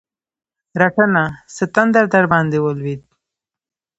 رټنه؛ څه تندر درباندې ولوېد؟!